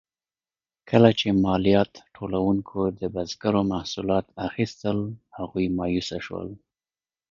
کله چې مالیات ټولونکو د بزګرو محصولات اخیستل، هغوی مایوسه شول.